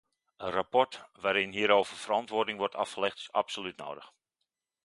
Een rapport waarin hierover verantwoording wordt afgelegd is absoluut nodig.